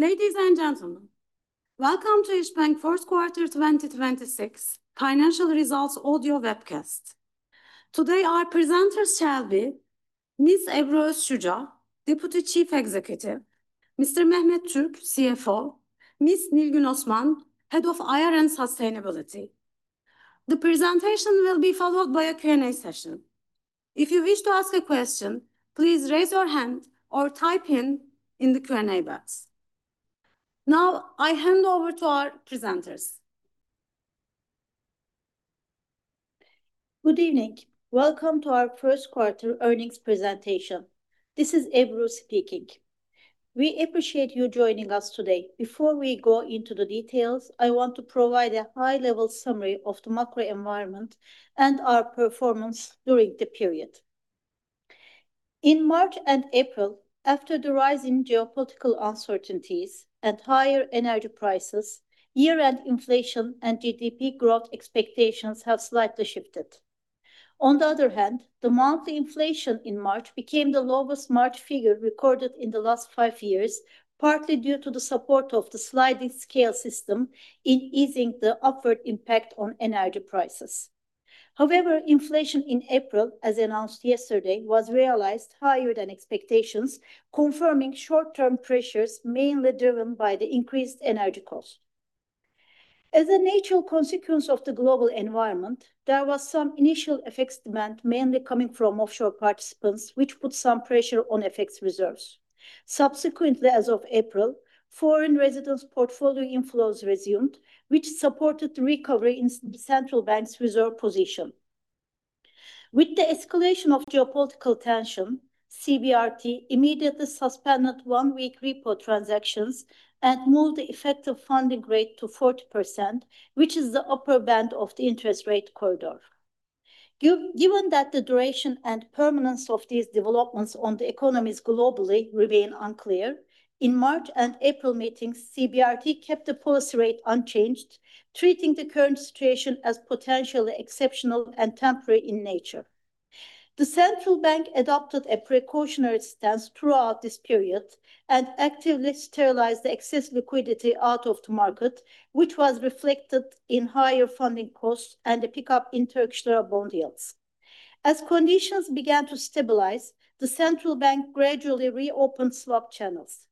Ladies and gentlemen, welcome to İşbank First Quarter 2026 Financial Results Audio Webcast. Today our presenters shall be Ms. Ebru Özşuca, Deputy Chief Executive, Mr. Mehmet Türk, CFO, Ms. Nilgün Osman, Head of IR and Sustainability. The presentation will be followed by a Q&A session. If you wish to ask a question, please raise your hand or type in in the Q&A box. Now, I hand over to our presenters. Good evening. Welcome to our First Quarter Earnings Presentation. This is Ebru speaking. We appreciate you joining us today. Before we go into the details, I want to provide a high-level summary of the macro environment and our performance during the period. In March and April, after the rise in geopolitical uncertainties and higher energy prices, year-end inflation and GDP growth expectations have slightly shifted. The monthly inflation in March became the lowest March figure recorded in the last five years, partly due to the support of the sliding scale system in easing the upward impact on energy prices. However, inflation in April, as announced yesterday, was realized higher than expectations, confirming short-term pressures mainly driven by the increased energy costs. As a natural consequence of the global environment, there was some initial FX demand mainly coming from offshore participants, which put some pressure on FX reserves. Subsequently, as of April, foreign residents portfolio inflows resumed, which supported the recovery in the central bank's reserve position. With the escalation of geopolitical tension, CBRT immediately suspended one-week repo transactions and moved the effective funding rate to 40%, which is the upper band of the interest rate corridor. Given that the duration and permanence of these developments on the economies globally remain unclear, in March and April meetings, CBRT kept the policy rate unchanged, treating the current situation as potentially exceptional and temporary in nature. The Central Bank adopted a precautionary stance throughout this period and actively sterilized the excess liquidity out of the market, which was reflected in higher funding costs and a pickup in Turkish lira bond yields. As conditions began to stabilize, the Central Bank gradually reopened swap channels.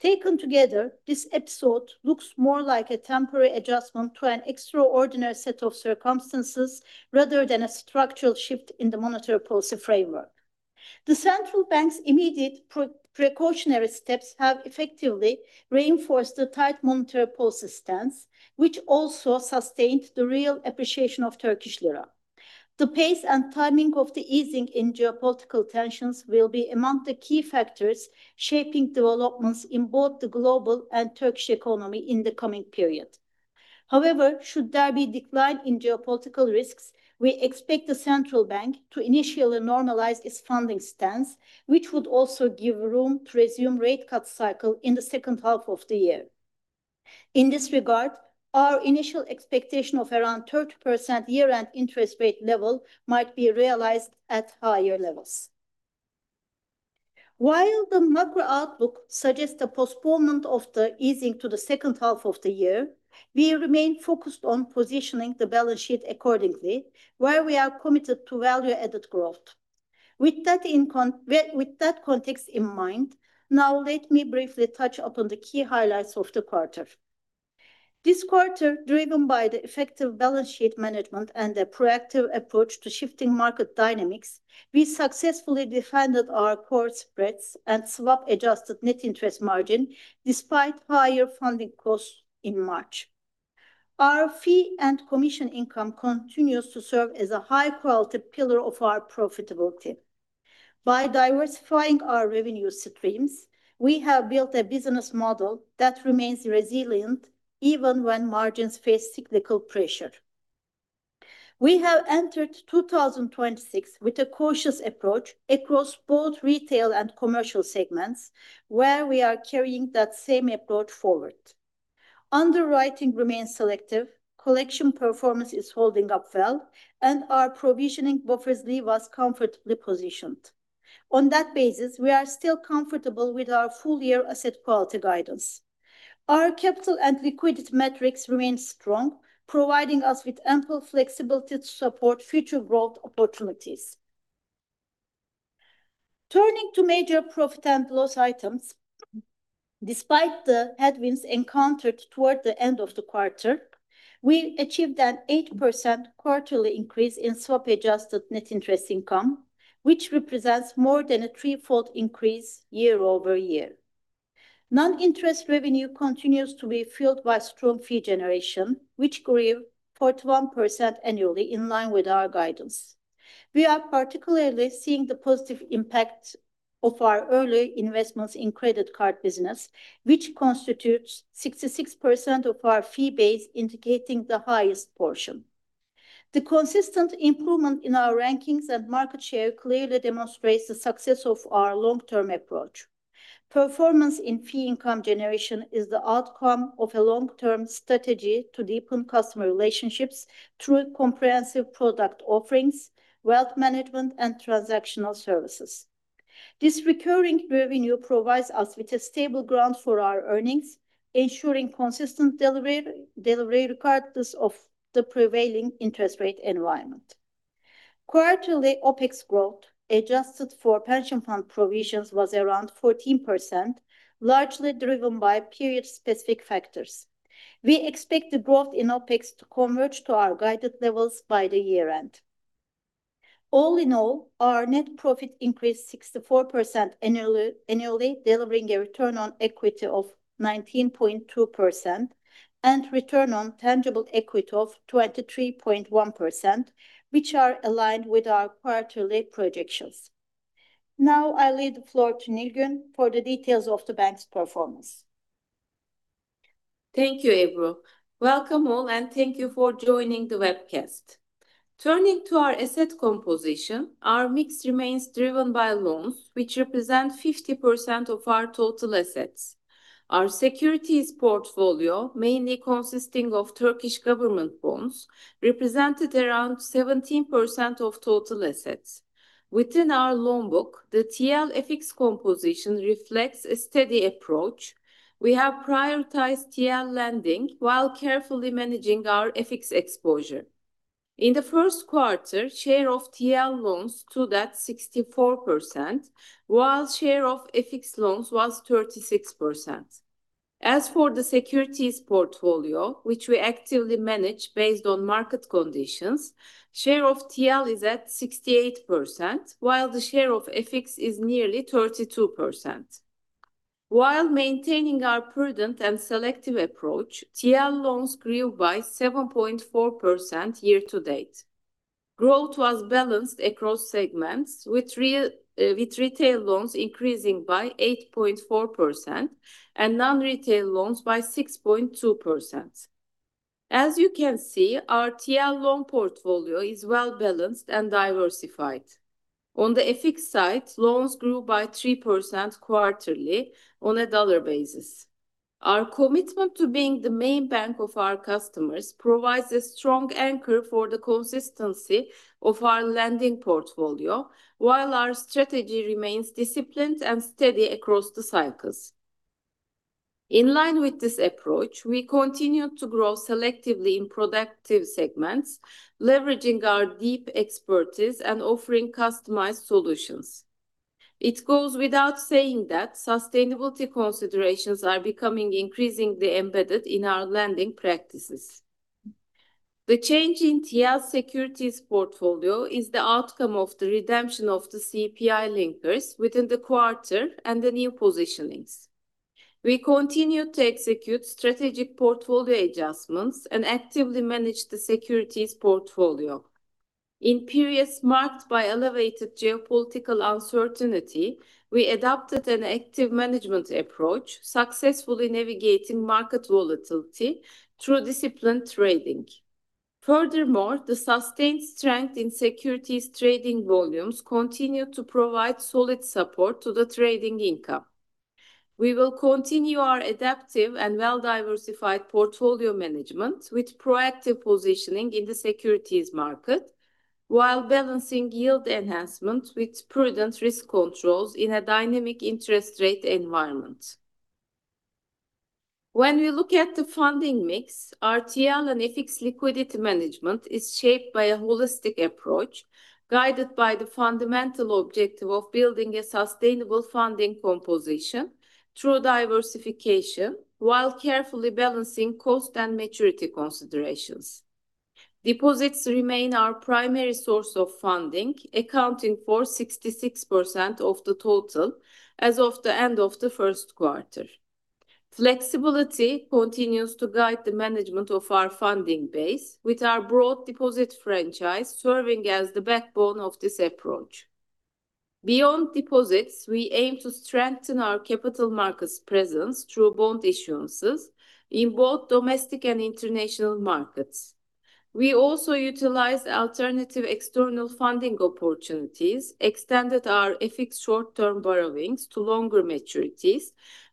Taken together, this episode looks more like a temporary adjustment to an extraordinary set of circumstances rather than a structural shift in the monetary policy framework. The Central Bank's immediate precautionary steps have effectively reinforced the tight monetary policy stance, which also sustained the real appreciation of Turkish lira. The pace and timing of the easing in geopolitical tensions will be among the key factors shaping developments in both the global and Turkish economy in the coming period. However, should there be decline in geopolitical risks, we expect the Central Bank to initially normalize its funding stance, which would also give room to resume rate cut cycle in the second half of the year. In this regard, our initial expectation of around 30% year-end interest rate level might be realized at higher levels. While the macro outlook suggests the postponement of the easing to the second half of the year, we remain focused on positioning the balance sheet accordingly, where we are committed to value-added growth. With that context in mind, now let me briefly touch upon the key highlights of the quarter. This quarter, driven by the effective balance sheet management and the proactive approach to shifting market dynamics, we successfully defended our core spreads and swap adjusted net interest margin despite higher funding costs in March. Our fee and commission income continues to serve as a high quality pillar of our profitability. By diversifying our revenue streams, we have built a business model that remains resilient even when margins face cyclical pressure. We have entered 2026 with a cautious approach across both retail and commercial segments, where we are carrying that same approach forward. Underwriting remains selective, collection performance is holding up well, and our provisioning buffers leave us comfortably positioned. On that basis, we are still comfortable with our full year asset quality guidance. Our capital and liquidity metrics remain strong, providing us with ample flexibility to support future growth opportunities. Turning to major profit and loss items, despite the headwinds encountered toward the end of the quarter, we achieved an 8% quarterly increase in swap adjusted net interest income, which represents more than a threefold increase year-over-year. Non-interest revenue continues to be fueled by strong fee generation, which grew 41% annually in line with our guidance. We are particularly seeing the positive impact of our early investments in credit card business, which constitutes 66% of our fee base, indicating the highest portion. The consistent improvement in our rankings and market share clearly demonstrates the success of our long-term approach. Performance in fee income generation is the outcome of a long-term strategy to deepen customer relationships through comprehensive product offerings, wealth management, and transactional services. This recurring revenue provides us with a stable ground for our earnings, ensuring consistent delivery regardless of the prevailing interest rate environment. Quarterly OpEx growth, adjusted for pension fund provisions, was around 14%, largely driven by period-specific factors. We expect the growth in OpEx to converge to our guided levels by the year-end. All in all, our net profit increased 64% annually, delivering a return on equity of 19.2% and return on tangible equity of 23.1%, which are aligned with our quarterly projections. Now, I leave the floor to Nilgün for the details of the bank's performance. Thank you, Ebru. Welcome all, and thank you for joining the webcast. Turning to our asset composition, our mix remains driven by loans, which represent 50% of our total assets. Our securities portfolio, mainly consisting of Turkish government bonds, represented around 17% of total assets. Within our loan book, the TL-FX composition reflects a steady approach. We have prioritized TL lending while carefully managing our FX exposure. In the first quarter, share of TL loans stood at 64%, while share of FX loans was 36%. As for the securities portfolio, which we actively manage based on market conditions, share of TL is at 68%, while the share of FX is nearly 32%. While maintaining our prudent and selective approach, TL loans grew by 7.4% year to date. Growth was balanced across segments with retail loans increasing by 8.4% and non-retail loans by 6.2%. As you can see, our TL loan portfolio is well-balanced and diversified. On the FX side, loans grew by 3% quarterly on a dollar basis. Our commitment to being the main bank of our customers provides a strong anchor for the consistency of our lending portfolio, while our strategy remains disciplined and steady across the cycles. In line with this approach, we continue to grow selectively in productive segments, leveraging our deep expertise and offering customized solutions. It goes without saying that sustainability considerations are becoming increasingly embedded in our lending practices. The change in TL securities portfolio is the outcome of the redemption of the CPI linkers within the quarter and the new positionings. We continue to execute strategic portfolio adjustments and actively manage the securities portfolio. In periods marked by elevated geopolitical uncertainty, we adopted an active management approach, successfully navigating market volatility through disciplined trading. Furthermore, the sustained strength in securities trading volumes continue to provide solid support to the trading income. We will continue our adaptive and well-diversified portfolio management with proactive positioning in the securities market, while balancing yield enhancement with prudent risk controls in a dynamic interest rate environment. When we look at the funding mix, our TL and FX liquidity management is shaped by a holistic approach, guided by the fundamental objective of building a sustainable funding composition through diversification while carefully balancing cost and maturity considerations. Deposits remain our primary source of funding, accounting for 66% of the total as of the end of the first quarter. Flexibility continues to guide the management of our funding base, with our broad deposit franchise serving as the backbone of this approach. Beyond deposits, we aim to strengthen our capital markets presence through bond issuances in both domestic and international markets. We also utilized alternative external funding opportunities, extended our FX short-term borrowings to longer maturities,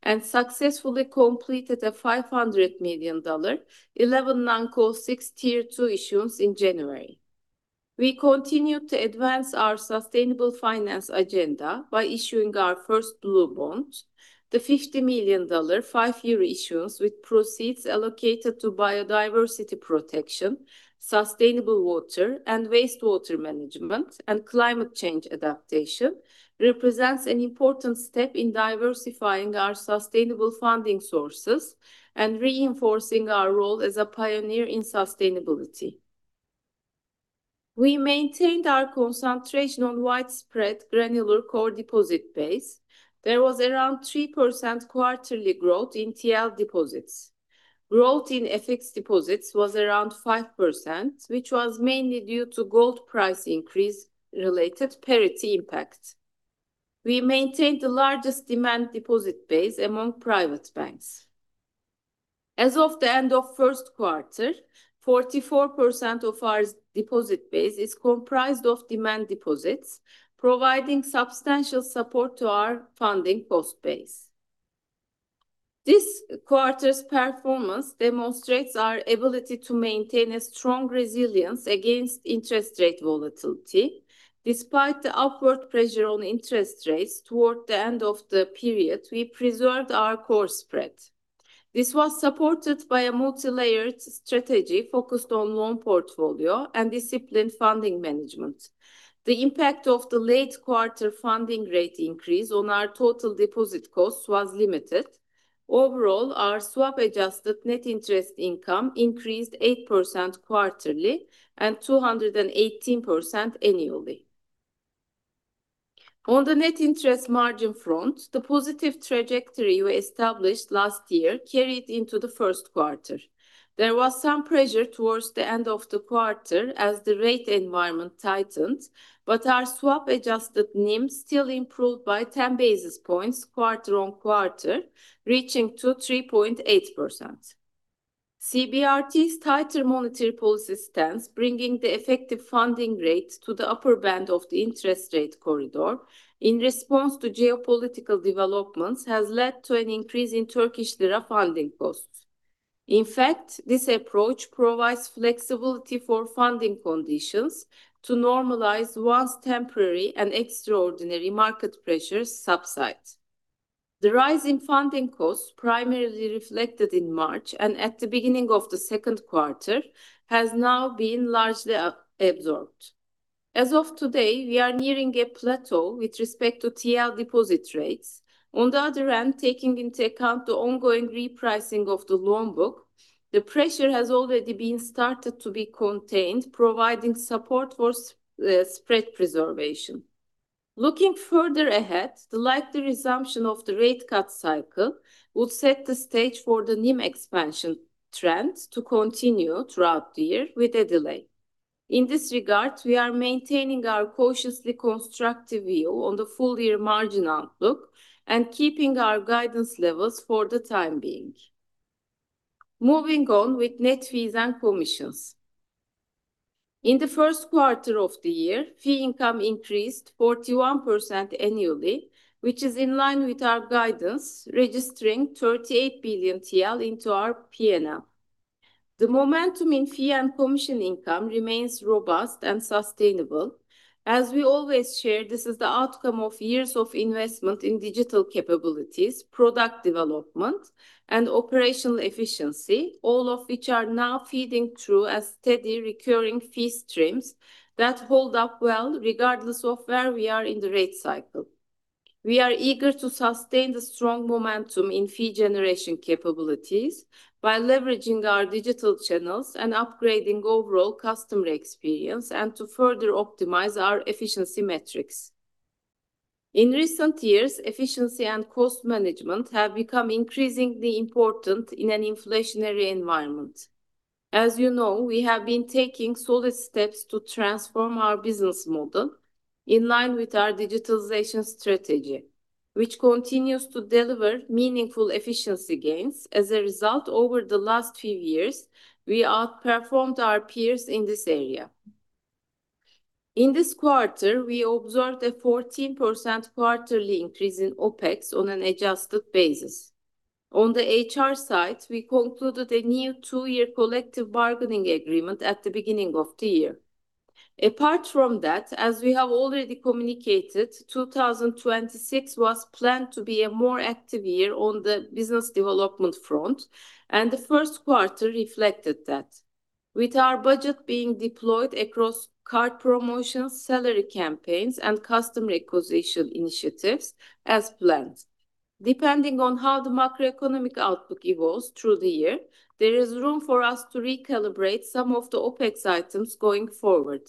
and successfully completed a $500 million, 11 non-call, six Tier 2 issuance in January. We continue to advance our sustainable finance agenda by issuing our first Blue Bond. The $50 million five-year issuance with proceeds allocated to biodiversity protection, sustainable water, and wastewater management, and climate change adaptation represents an important step in diversifying our sustainable funding sources and reinforcing our role as a pioneer in sustainability. We maintained our concentration on widespread granular core deposit base. There was around 3% quarterly growth in TL deposits. Growth in FX deposits was around 5%, which was mainly due to gold price increase related parity impact. We maintained the largest demand deposit base among private banks. As of the end of first quarter, 44% of our deposit base is comprised of demand deposits, providing substantial support to our funding cost base. This quarter's performance demonstrates our ability to maintain a strong resilience against interest rate volatility. Despite the upward pressure on interest rates toward the end of the period, we preserved our core spread. This was supported by a multi-layered strategy focused on loan portfolio and disciplined funding management. The impact of the late quarter funding rate increase on our total deposit cost was limited. Overall, our swap adjusted net interest income increased 8% quarterly, and 218% annually. On the net interest margin front, the positive trajectory we established last year carried into the first quarter. There was some pressure towards the end of the quarter as the rate environment tightened. Our swap-adjusted NIM still improved by 10 basis points quarter on quarter, reaching to 3.8%. CBRT's tighter monetary policy stance, bringing the effective funding rate to the upper band of the interest rate corridor in response to geopolitical developments, has led to an increase in Turkish lira funding costs. In fact, this approach provides flexibility for funding conditions to normalize once temporary and extraordinary market pressures subside. The rise in funding costs, primarily reflected in March and at the beginning of the second quarter, has now been largely absorbed. As of today, we are nearing a plateau with respect to TL deposit rates. On the other hand, taking into account the ongoing repricing of the loan book, the pressure has already been started to be contained, providing support for spread preservation. Looking further ahead, the likely resumption of the rate cut cycle would set the stage for the NIM expansion trend to continue throughout the year with a delay. In this regard, we are maintaining our cautiously constructive view on the full-year margin outlook, and keeping our guidance levels for the time being. Moving on with net fees and commissions. In the first quarter of the year, fee income increased 41% annually, which is in line with our guidance, registering 38 billion TL into our P&L. The momentum in fee and commission income remains robust and sustainable. As we always share, this is the outcome of years of investment in digital capabilities, product development, and operational efficiency, all of which are now feeding through as steady recurring fee streams that hold up well regardless of where we are in the rate cycle. We are eager to sustain the strong momentum in fee generation capabilities by leveraging our digital channels and upgrading overall customer experience, and to further optimize our efficiency metrics. In recent years, efficiency and cost management have become increasingly important in an inflationary environment. As you know, we have been taking solid steps to transform our business model in line with our digitalization strategy, which continues to deliver meaningful efficiency gains. As a result, over the last few years, we outperformed our peers in this area. In this quarter, we observed a 14% quarterly increase in OpEx on an adjusted basis. On the HR side, we concluded a new two-year collective bargaining agreement at the beginning of the year. Apart from that, as we have already communicated, 2026 was planned to be a more active year on the business development front, and the first quarter reflected that. With our budget being deployed across card promotions, salary campaigns, and customer acquisition initiatives as planned. Depending on how the macroeconomic outlook evolves through the year, there is room for us to recalibrate some of the OpEx items going forward.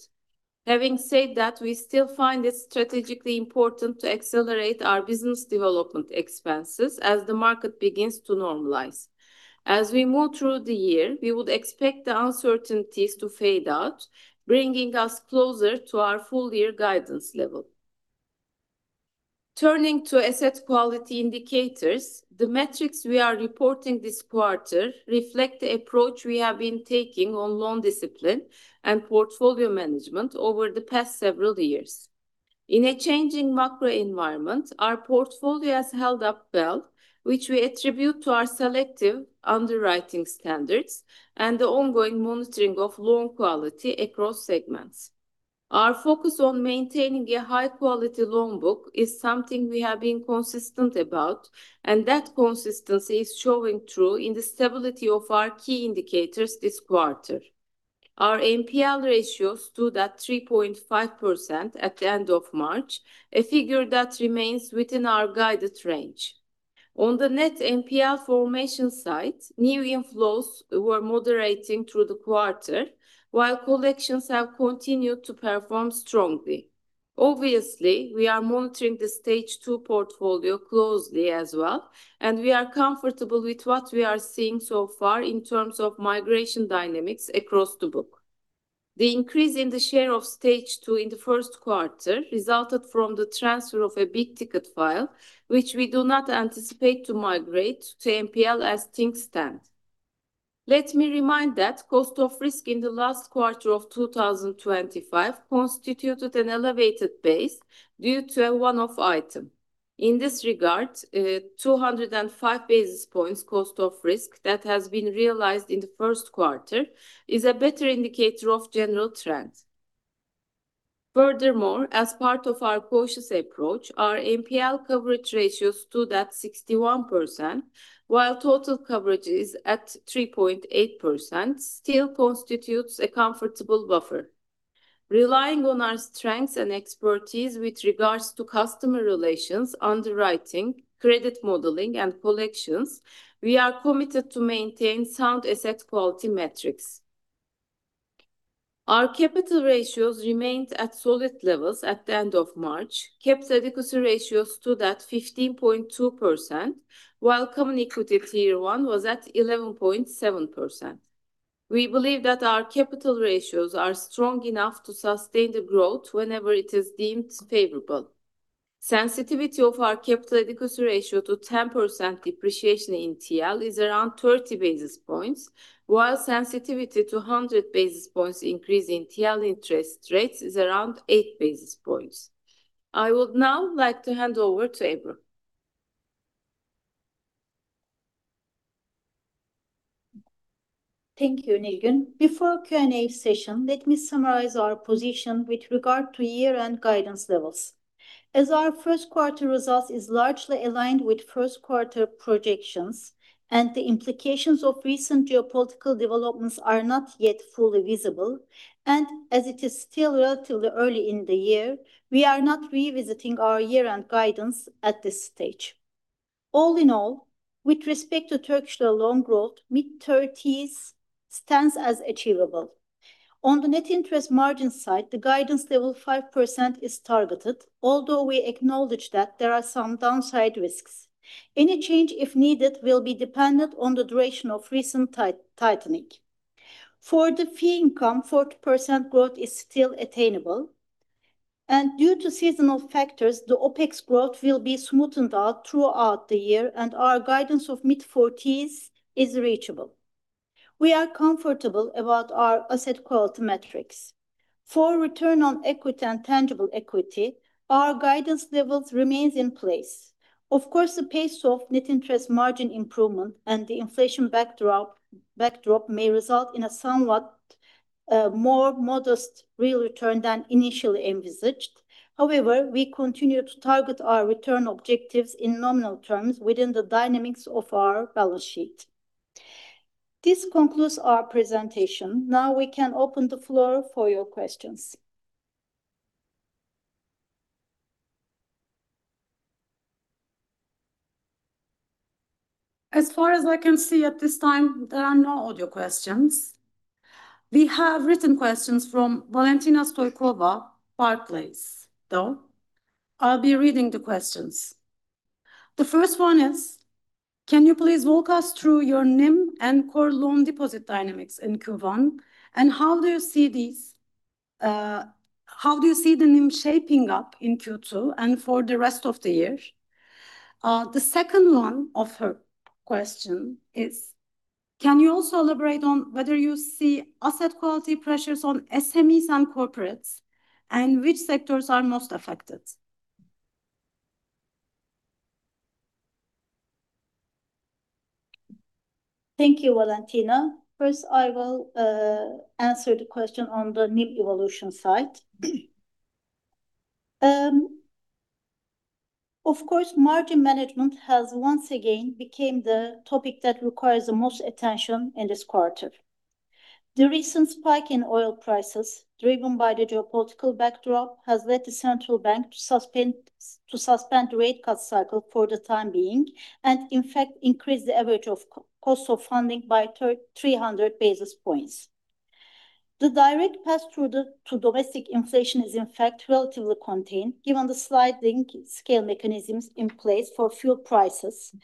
Having said that, we still find it strategically important to accelerate our business development expenses as the market begins to normalize. As we move through the year, we would expect the uncertainties to fade out, bringing us closer to our full-year guidance level. Turning to asset quality indicators, the metrics we are reporting this quarter reflect the approach we have been taking on loan discipline and portfolio management over the past several years. In a changing macro environment, our portfolio has held up well, which we attribute to our selective underwriting standards and the ongoing monitoring of loan quality across segments. Our focus on maintaining a high-quality loan book is something we have been consistent about, and that consistency is showing through in the stability of our key indicators this quarter. Our NPL ratios stood at 3.5% at the end of March, a figure that remains within our guided range. On the net NPL formation side, new inflows were moderating through the quarter while collections have continued to perform strongly. Obviously, we are monitoring the Stage 2 portfolio closely as well, and we are comfortable with what we are seeing so far in terms of migration dynamics across the book. The increase in the share of Stage 2 in the first quarter resulted from the transfer of a big-ticket file which we do not anticipate to migrate to NPL as things stand. Let me remind that cost of risk in the last quarter of 2025 constituted an elevated base due to a one-off item. In this regard, 205 basis points cost of risk that has been realized in the first quarter is a better indicator of general trend. Furthermore, as part of our cautious approach, our NPL coverage ratios stood at 61%, while total coverage is at 3.8% still constitutes a comfortable buffer. Relying on our strengths and expertise with regards to customer relations, underwriting, credit modeling, and collections, we are committed to maintain sound asset quality metrics. Our capital ratios remained at solid levels at the end of March. CAR adequacy ratios stood at 15.2%, while Common Equity Tier 1 was at 11.7%. We believe that our capital ratios are strong enough to sustain the growth whenever it is deemed favorable. Sensitivity of our capital adequacy ratio to 10% depreciation in TL is around 30 basis points, while sensitivity to 100 basis points increase in TL interest rates is around eight basis points. I would now like to hand over to Ebru. Thank you, Nilgün. Before Q&A session, let me summarize our position with regard to year-end guidance levels. As our first quarter results is largely aligned with first quarter projections, and the implications of recent geopolitical developments are not yet fully visible, and as it is still relatively early in the year, we are not revisiting our year-end guidance at this stage. All in all, with respect to Turkish long growth, mid-thirties stands as achievable. On the net interest margin side, the guidance level 5% is targeted, although we acknowledge that there are some downside risks. Any change, if needed, will be dependent on the duration of recent tightening. For the fee income, 40% growth is still attainable. Due to seasonal factors, the OpEx growth will be smoothened out throughout the year, and our guidance of mid-forties is reachable. We are comfortable about our asset quality metrics. For return on equity and tangible equity, our guidance levels remains in place. Of course, the pace of net interest margin improvement and the inflation backdrop may result in a somewhat more modest real return than initially envisaged. However, we continue to target our return objectives in nominal terms within the dynamics of our balance sheet. This concludes our presentation. Now we can open the floor for your questions. As far as I can see at this time, there are no audio questions. We have written questions from Valentina Stoykova, Barclays, though. I'll be reading the questions. The first one is: Can you please walk us through your NIM and core loan deposit dynamics in Q1, and how do you see the NIM shaping up in Q2 and for the rest of the year? The 2nd one of her question is: Can you also elaborate on whether you see asset quality pressures on SMEs and corporates, and which sectors are most affected? Thank you, Valentina. First, I will answer the question on the NIM evolution side. Of course, margin management has once again became the topic that requires the most attention in this quarter. The recent spike in oil prices, driven by the geopolitical backdrop, has led the Central Bank to suspend rate cut cycle for the time being, and in fact, increase the average cost of funding by 300 basis points. The direct pass through to domestic inflation is, in fact, relatively contained given the sliding scale mechanisms in place for fuel prices.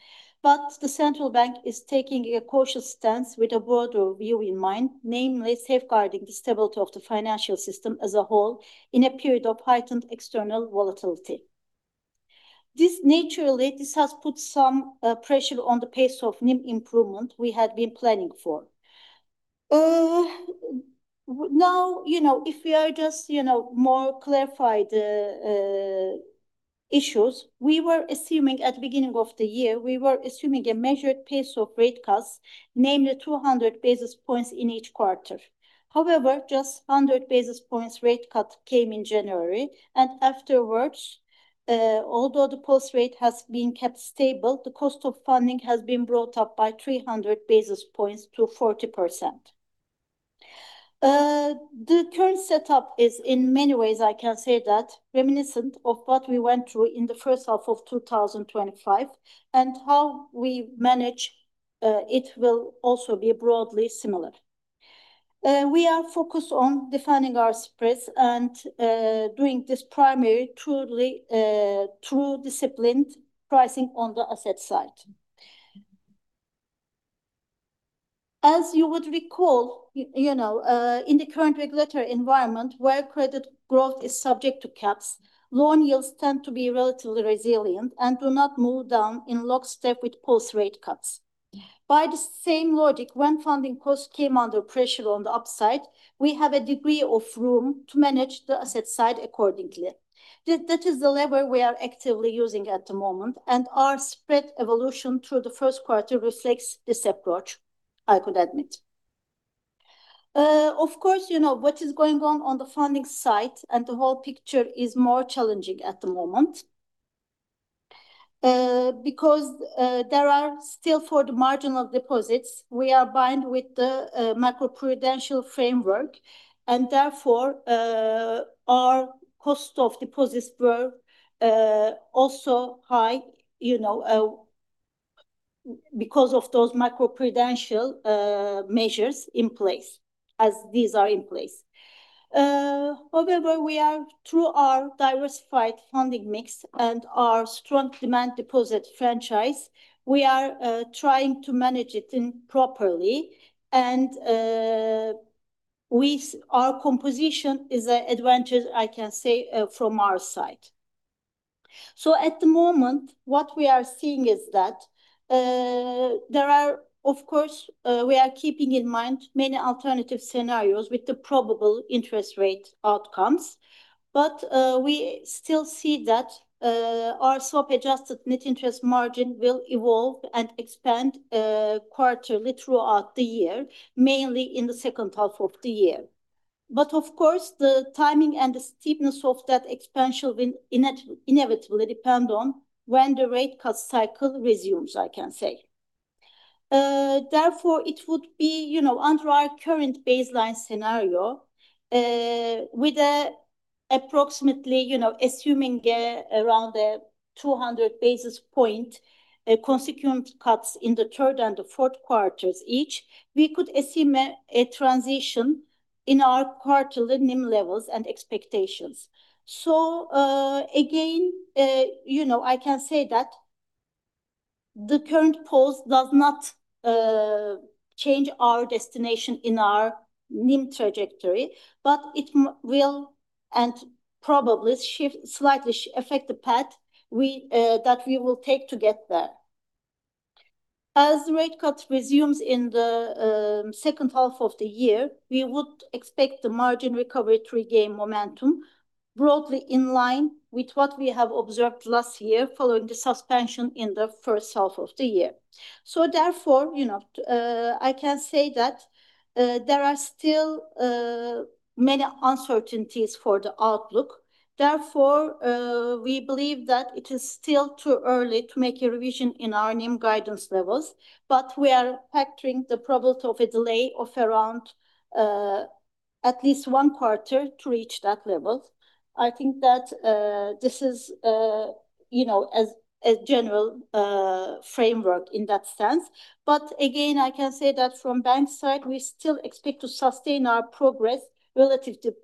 The Central Bank is taking a cautious stance with a broader view in mind, namely safeguarding the stability of the financial system as a whole in a period of heightened external volatility. This naturally, has put some pressure on the pace of NIM improvement we had been planning for. Now, you know, if we are just, you know, more clarify the issues, we were assuming at the beginning of the year, we were assuming a measured pace of rate cuts, namely 200 basis points in each quarter. However, just 100 basis points rate cut came in January, and afterwards, although the post rate has been kept stable, the cost of funding has been brought up by 300 basis points to 40%. The current setup is, in many ways I can say that, reminiscent of what we went through in the first half of 2025, and how we manage, it will also be broadly similar. We are focused on defending our spreads and doing this primarily through the disciplined pricing on the asset side. As you would recall, you know, in the current regulatory environment where credit growth is subject to caps, loan yields tend to be relatively resilient and do not move down in lockstep with post-rate cuts. By the same logic, when funding costs came under pressure on the upside, we have a degree of room to manage the asset side accordingly. That is the lever we are actively using at the moment, and our spread evolution through the first quarter reflects this approach, I could admit. Of course, you know, what is going on the funding side and the whole picture is more challenging at the moment. Because there are still, for the marginal deposits, we are bind with the macroprudential framework, and therefore, our cost of deposits were also high, you know, because of those macroprudential measures in place. However, we are, through our diversified funding mix and our strong demand deposit franchise, we are trying to manage it in properly, and our composition is a advantage, I can say, from our side. At the moment, what we are seeing is that there are, of course, we are keeping in mind many alternative scenarios with the probable interest rate outcomes. We still see that our swap-adjusted net interest margin will evolve and expand quarterly throughout the year, mainly in the second half of the year. Of course, the timing and the steepness of that expansion will inevitably depend on when the rate cut cycle resumes, I can say. Therefore, it would be, you know, under our current baseline scenario, with approximately, you know, assuming around 200 basis point consequent cuts in the third and the fourth quarters each, we could assume a transition in our quarterly NIM levels and expectations. Again, you know, I can say that the current pause does not change our destination in our NIM trajectory, but it will, and probably shift, slightly affect the path we that we will take to get there. As the rate cut resumes in the second half of the year, we would expect the margin recovery to regain momentum, broadly in line with what we have observed last year following the suspension in the first half of the year. Therefore, you know, I can say that there are still many uncertainties for the outlook. Therefore, we believe that it is still too early to make a revision in our NIM guidance levels, but we are factoring the probability of a delay of around at least one quarter to reach that level. I think that this is, you know, as a general framework in that sense. Again, I can say that from bank side, we still expect to sustain our progress relative to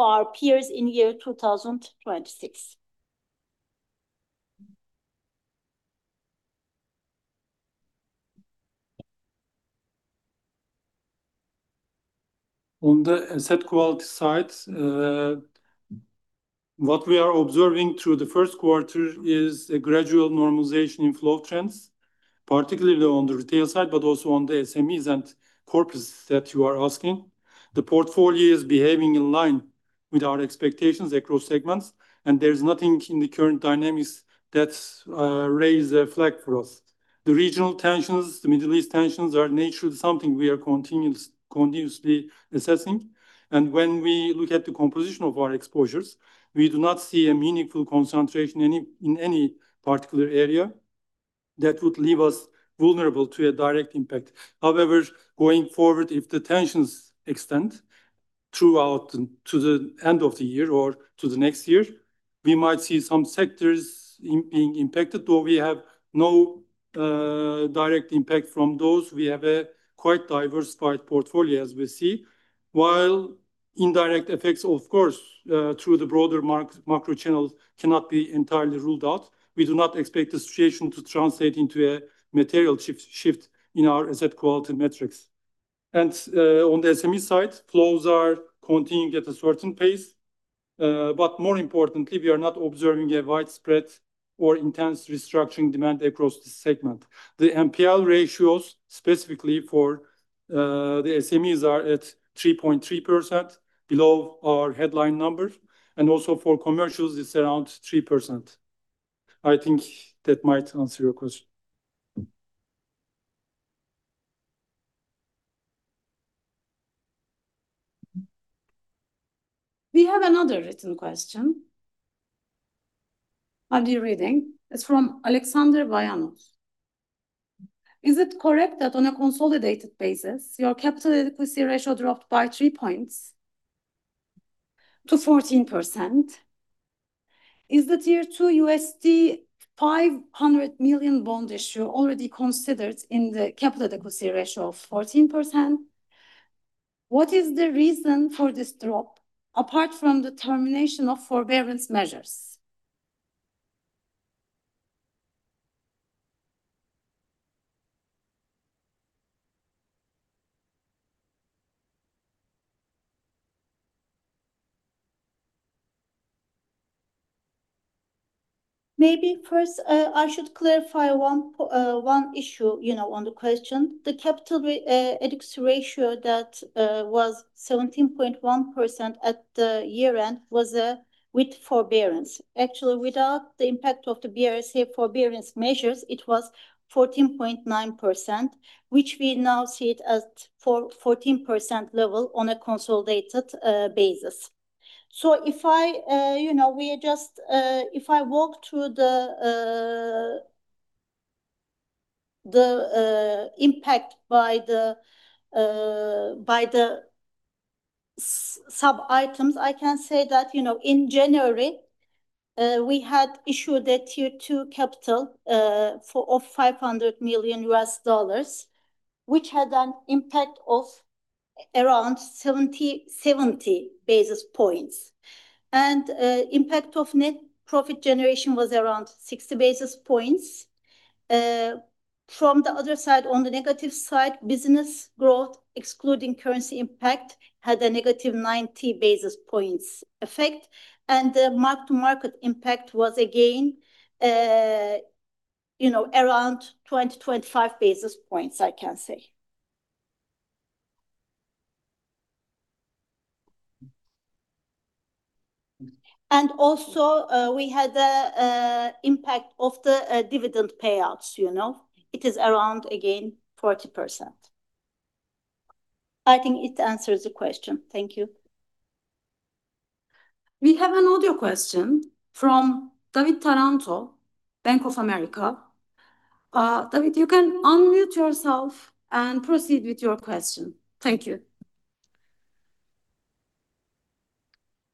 our peers in year 2026. On the asset quality side, what we are observing through the first quarter is a gradual normalization in flow trends, particularly on the retail side, but also on the SMEs and corporates that you are asking. The portfolio is behaving in line with our expectations across segments. There's nothing in the current dynamics that's raise a flag for us. The regional tensions, the Middle East tensions are naturally something we are continuously assessing. When we look at the composition of our exposures, we do not see a meaningful concentration in any particular area that would leave us vulnerable to a direct impact. However, going forward, if the tensions extend throughout and to the end of the year or to the next year, we might see some sectors being impacted, though we have no direct impact from those. We have a quite diversified portfolio as we see. While indirect effects, of course, through the broader micro channels cannot be entirely ruled out, we do not expect the situation to translate into a material shift in our asset quality metrics. On the SME side, flows are continuing at a certain pace. More importantly, we are not observing a widespread or intense restructuring demand across the segment. The NPL ratios specifically for the SMEs are at 3.3% below our headline numbers, and also for commercials it's around 3%. I think that might answer your question. We have another written question. I'll be reading. It's from Alexander Vayanos. Is it correct that on a consolidated basis, your capital adequacy ratio dropped by three points to 14%? Is the Tier 2 $500 million bond issue already considered in the capital adequacy ratio of 14%? What is the reason for this drop, apart from the termination of forbearance measures? Maybe first, I should clarify one issue, you know, on the question. The capital ratio that was 17.1% at the year-end was with forbearance. Actually, without the impact of the BRSA forbearance measures, it was 14.9%, which we now see it at for 14% level on a consolidated basis. If I, you know, we just, if I walk through the impact by the sub items, I can say that, you know, in January, we had issued a Tier 2 capital, for of $500 million which had an impact of around 70 basis points. And impact of net profit generation was around 60 basis points. From the other side, on the negative side, business growth, excluding currency impact, had a negative 90 basis points effect, and the mark-to-market impact was again, you know, around 20-25 basis points, I can say. And also, we had the impact of the dividend payouts, you know. It is around, again, 40%. I think it answers the question. Thank you. We have an audio question from David Taranto, Bank of America. David, you can unmute yourself and proceed with your question. Thank you.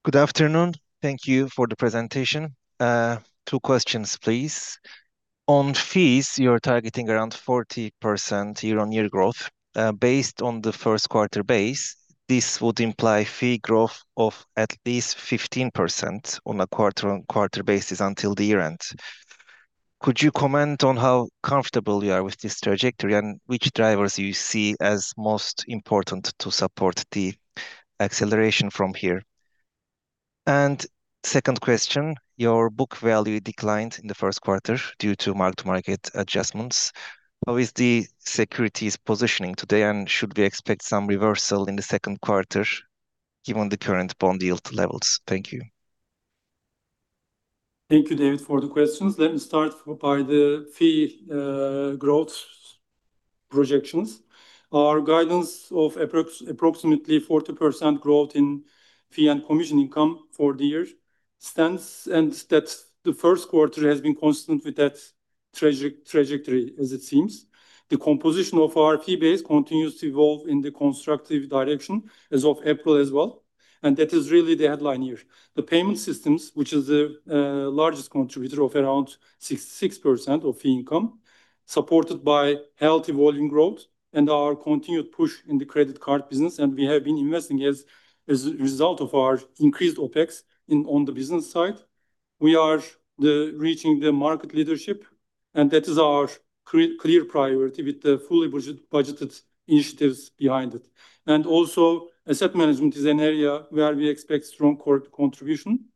Good afternoon. Thank you for the presentation. Two questions, please. On fees, you're targeting around 40% year-on-year growth. Based on the first quarter base, this would imply fee growth of at least 15% on a quarter-on-quarter basis until the year-end. Could you comment on how comfortable you are with this trajectory, and which drivers you see as most important to support the acceleration from here? Second question, your book value declined in the first quarter due to mark-to-market adjustments. How is the securities positioning today, and should we expect some reversal in the second quarter given the current bond yield levels? Thank you. Thank you, David, for the questions. Let me start by the fee growth projections. Our guidance of approximately 40% growth in fee and commission income for the year stands, and that the first quarter has been constant with that trajectory as it seems. The composition of our fee base continues to evolve in the constructive direction as of April as well, and that is really the headline here. The payment systems, which is the largest contributor of around 6% of fee income, supported by healthy volume growth and our continued push in the credit card business, and we have been investing as a result of our increased OpEx on the business side. We are reaching the market leadership, and that is our clear priority with the fully budgeted initiatives behind it. And also, asset management is an area where we expect strong contribution,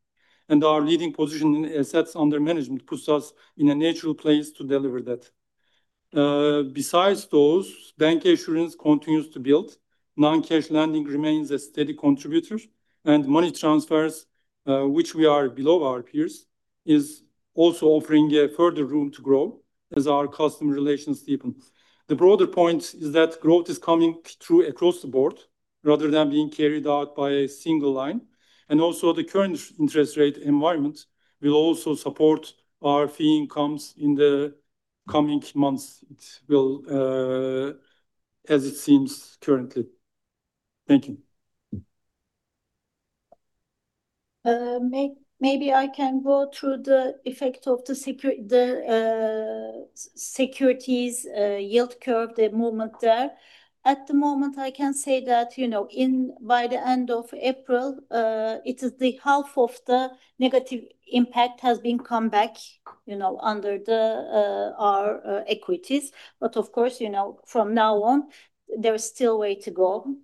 and our leading position in assets under management puts us in a natural place to deliver that. Besides those, bank assurance continues to build. Non-cash lending remains a steady contributor. Money transfers, which we are below our peers, is also offering a further room to grow as our customer relations deepen. The broader point is that growth is coming through across the board rather than being carried out by a single line. The current interest rate environment will also support our fee incomes in the coming months. It will, as it seems currently. Thank you. Maybe I can go through the effect of the securities yield curve, the movement there. At the moment, I can say that, you know, by the end of April, it is the half of the negative impact has been come back, you know, under our equities. Of course, you know, from now on, there is still way to go.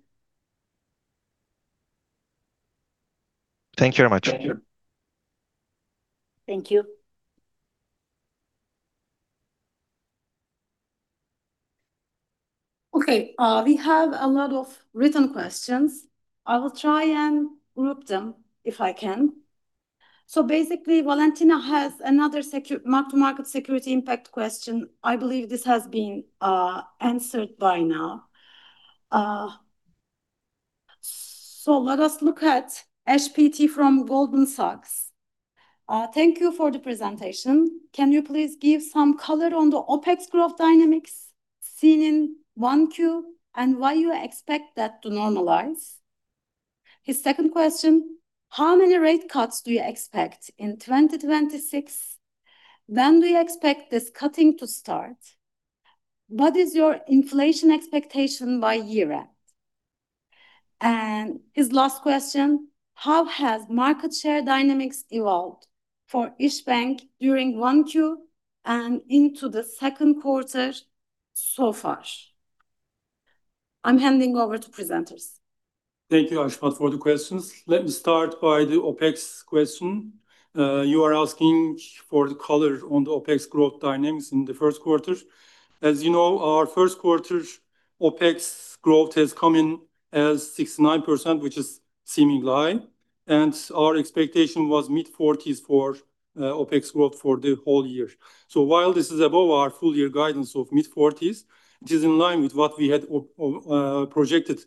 Thank you very much. Thank you. Thank you. Okay. We have a lot of written questions. I will try and group them if I can. Basically, Valentina has another mark-to-market security impact question. I believe this has been answered by now. Let us look at HPT from Goldman Sachs. Thank you for the presentation. Can you please give some color on the OpEx growth dynamics seen in 1Q, and why you expect that to normalize? His second question: How many rate cuts do you expect in 2026? When do you expect this cutting to start? What is your inflation expectation by year-end? His last question, how has market share dynamics evolved for İşbank during 1Q and into the second quarter so far? I'm handing over to presenters. Thank you, Ashwat, for the questions. Let me start by the OpEx question. You are asking for the color on the OpEx growth dynamics in the first quarter. As you know, our first quarter's OpEx growth has come in as 69%, which is in line. Our expectation was mid-40s for OpEx growth for the whole year. While this is above our full year guidance of mid-40s, it is in line with what we had projected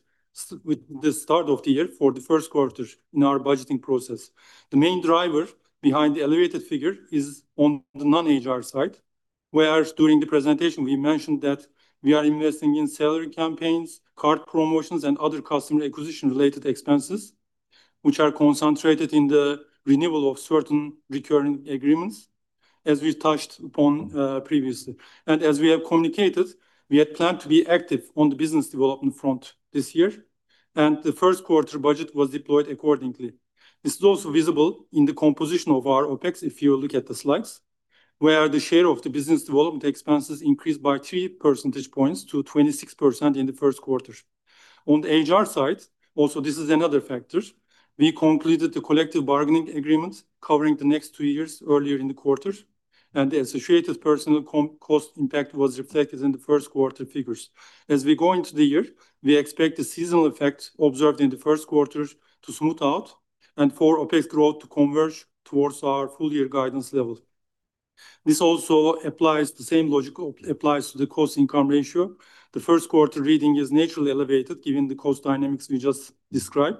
with the start of the year for the first quarter in our budgeting process. The main driver behind the elevated figure is on the non-HR side. Whereas during the presentation we mentioned that we are investing in salary campaigns, card promotions, and other customer acquisition related expenses, which are concentrated in the renewal of certain recurring agreements, as we touched upon previously. As we have communicated, we had planned to be active on the business development front this year, and the first quarter budget was deployed accordingly. This is also visible in the composition of our OpEx if you look at the slides, where the share of the business development expenses increased by 3 percentage points to 26% in the first quarter. On the HR side, also this is another factor, we concluded the collective bargaining agreement covering the next two years earlier in the quarter, and the associated personal co-cost impact was reflected in the first quarter figures. As we go into the year, we expect the seasonal effects observed in the first quarter to smooth out and for OpEx growth to converge towards our full year guidance level. This also applies, the same logic applies to the cost income ratio. The first quarter reading is naturally elevated given the cost dynamics we just described.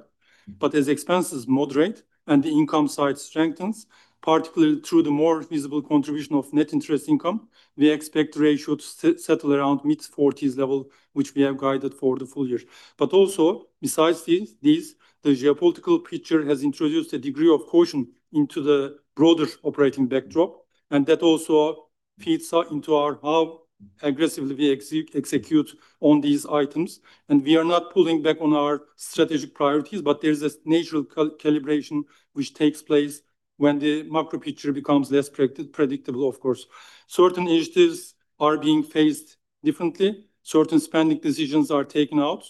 As expenses moderate and the income side strengthens, particularly through the more visible contribution of net interest income, we expect the ratio to settle around mid-40s level, which we have guided for the full year. Also, besides these, the geopolitical picture has introduced a degree of caution into the broader operating backdrop, and that also feeds into our how aggressively we execute on these items. We are not pulling back on our strategic priorities, but there's a natural calibration which takes place when the macro picture becomes less predictable, of course. Certain initiatives are being faced differently, certain spending decisions are taken out,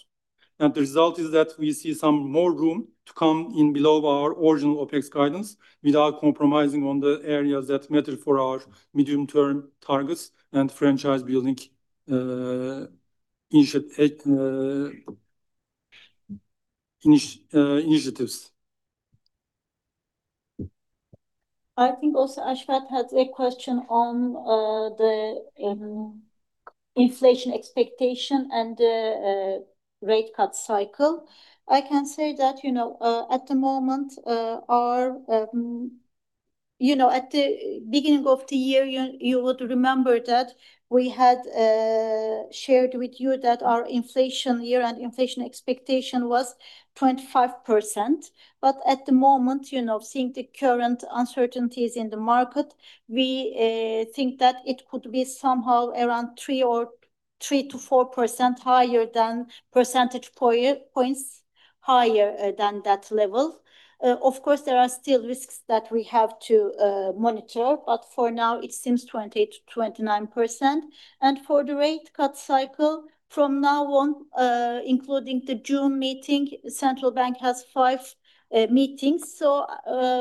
and the result is that we see some more room to come in below our original OpEx guidance without compromising on the areas that matter for our medium-term targets and franchise-building initiatives. I think also Ashwat had a question on the inflation expectation and rate cut cycle. I can say that, you know, at the beginning of the year, you would remember that we had shared with you that our inflation year-end inflation expectation was 25%. At the moment, you know, seeing the current uncertainties in the market, we think that it could be somehow around 3% or 3%-4% higher than percentage points, higher than that level. Of course, there are still risks that we have to monitor, but for now it seems 20%-29%. For the rate cut cycle, from now on, including the June meeting, Central Bank has five meetings.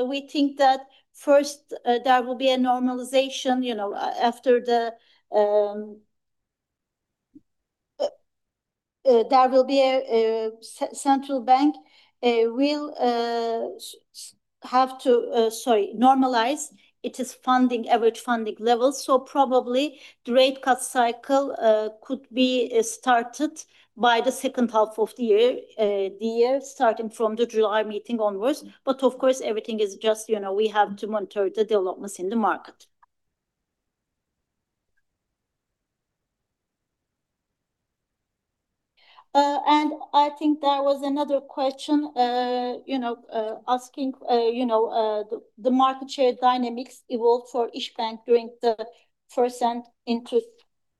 We think that first, there will be a normalization, you know, after the Central Bank will have to normalize it is funding, average funding levels. Probably the rate cut cycle could be started by the 2nd half of the year, the year starting from the July meeting onwards. Of course, everything is just, you know, we have to monitor the developments in the market. And I think there was another question, you know, asking, you know, the market share dynamics evolved for İşbank during the first and into,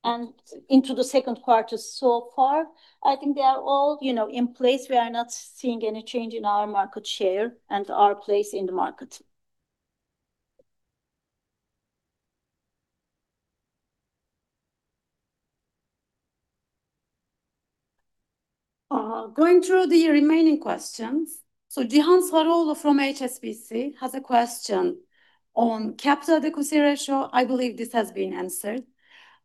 and into the second quarter so far. I think they are all, you know, in place. We are not seeing any change in our market share and our place in the market. Going through the remaining questions. Cihan Saraoglu from HSBC has a question on capital adequacy ratio. I believe this has been answered.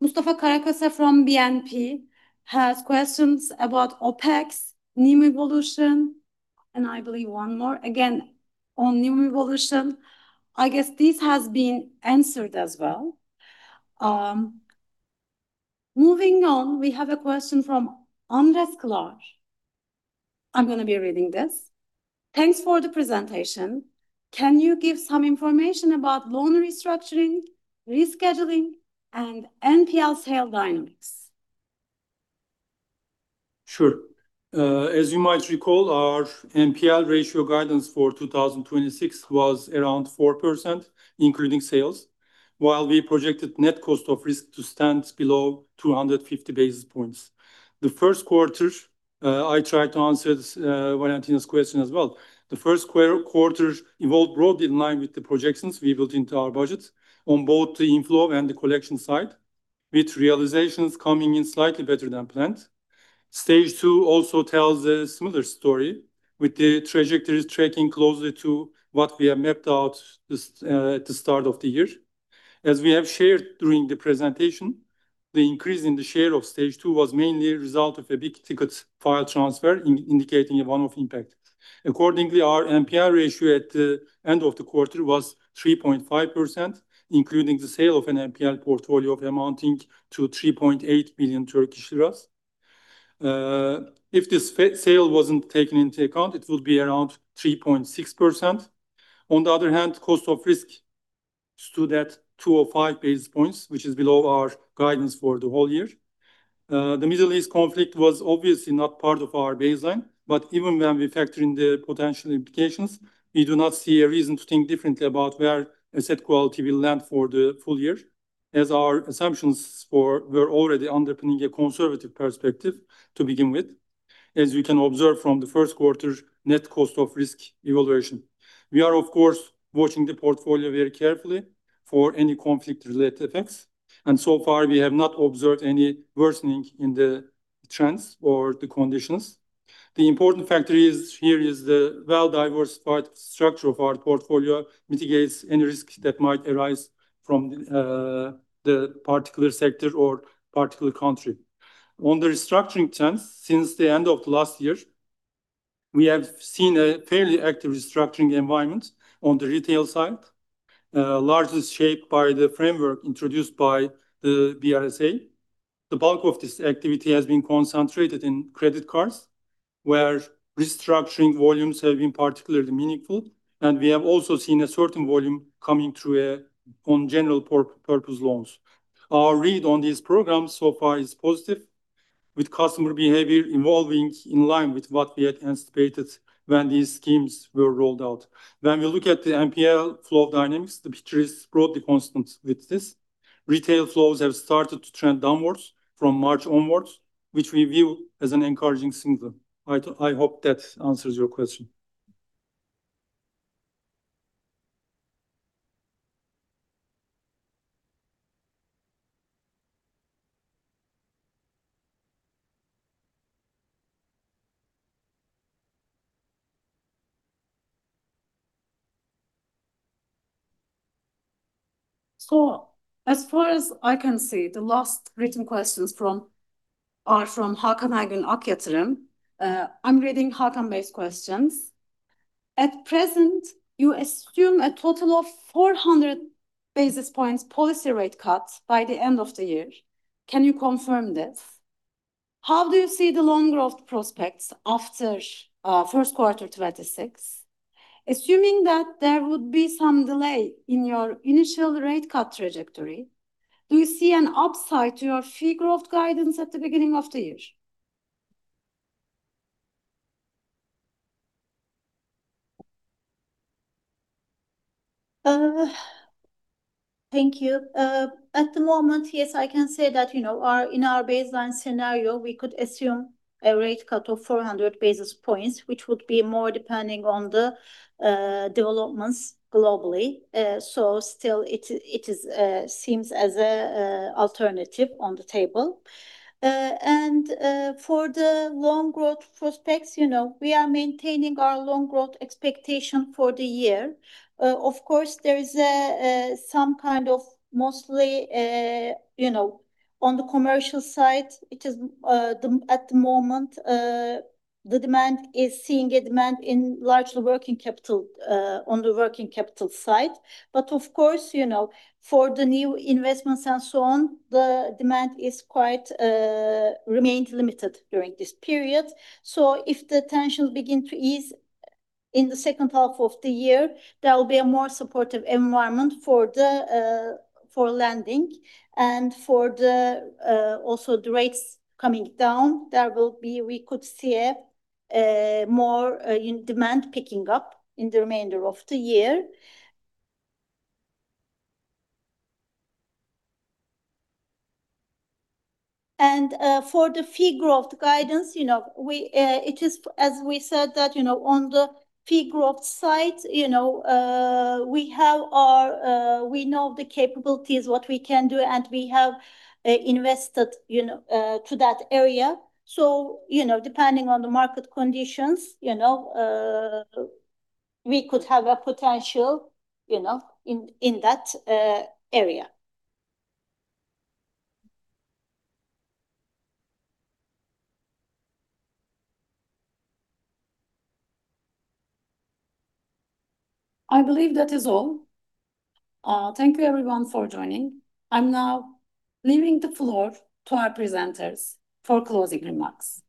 Mustafa Kemal Karakose from BNP has questions about OPEX, NIM evolution, and I believe one more, again, on NIM evolution. I guess this has been answered as well. Moving on, we have a question from Andres Clark. I'm gonna be reading this. Thanks for the presentation. Can you give some information about loan restructuring, rescheduling, and NPL sale dynamics? Sure. As you might recall, our NPL ratio guidance for 2026 was around 4%, including sales, while we projected net cost of risk to stand below 250 basis points. I try to answer this Valentina's question as well. The first quarter involved broadly in line with the projections we built into our budget on both the inflow and the collection side, with realizations coming in slightly better than planned. Stage 2 also tells a similar story, with the trajectories tracking closely to what we have mapped out this at the start of the year. As we have shared during the presentation, the increase in the share of Stage 2 was mainly a result of a big tickets file transfer, indicating a one-off impact. Accordingly, our NPL ratio at the end of the quarter was 3.5%, including the sale of an NPL portfolio amounting to 3.8 million Turkish lira. If this sale wasn't taken into account, it would be around 3.6%. On the other hand, cost of risk stood at 205 basis points, which is below our guidance for the whole year. The Middle East conflict was obviously not part of our baseline, but even when we factor in the potential implications, we do not see a reason to think differently about where asset quality will land for the full year, as our assumptions for were already underpinning a conservative perspective to begin with, as we can observe from the first quarter net cost of risk evaluation. We are, of course, watching the portfolio very carefully for any conflict-related effects, and so far we have not observed any worsening in the trends or the conditions. The important factor is, here is the well-diversified structure of our portfolio mitigates any risk that might arise from the particular sector or particular country. On the restructuring trends, since the end of last year, we have seen a fairly active restructuring environment on the retail side, largely shaped by the framework introduced by the BRSA. The bulk of this activity has been concentrated in credit cards, where restructuring volumes have been particularly meaningful, and we have also seen a certain volume coming through on general purpose loans. Our read on these programs so far is positive, with customer behavior evolving in line with what we had anticipated when these schemes were rolled out. When we look at the NPL flow dynamics, the picture is broadly constant with this. Retail flows have started to trend downwards from March onwards, which we view as an encouraging signal. I hope that answers your question. As far as I can see, the last written questions are from Hakan Akgün, Ak Yatırım. I'm reading Hakan's questions. At present, you assume a total of 400 basis points policy rate cuts by the end of the year. Can you confirm this? How do you see the loan growth prospects after first quarter 2026? Assuming that there would be some delay in your initial rate cut trajectory, do you see an upside to your fee growth guidance at the beginning of the year? Thank you. At the moment, yes, I can say that our, in our baseline scenario, we could assume a rate cut of 400 basis points, which would be more depending on the developments globally. Still it is seems as a alternative on the table. For the loan growth prospects, we are maintaining our loan growth expectation for the year. Of course, there is a some kind of mostly on the commercial side, it is the, at the moment, the demand is seeing a demand in largely working capital on the working capital side. Of course, for the new investments and so on, the demand is quite remained limited during this period. If the tension will begin to ease in the second half of the year, there will be a more supportive environment for the for lending. For the also the rates coming down, we could see a more in demand picking up in the remainder of the year. For the fee growth guidance, you know, we it is as we said that, you know, on the fee growth side, you know, we have our we know the capabilities, what we can do, and we have invested, you know, to that area. You know, depending on the market conditions, you know, we could have a potential, you know, in that area. I believe that is all. Thank you everyone for joining. I am now leaving the floor to our presenters for closing remarks.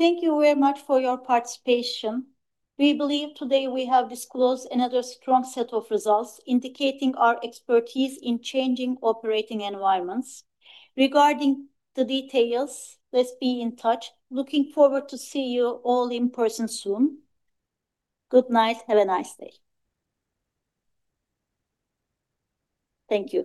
Thank you very much for your participation. We believe today we have disclosed another strong set of results, indicating our expertise in changing operating environments. Regarding the details, let's be in touch. Looking forward to see you all in person soon. Good night. Have a nice day. Thank you.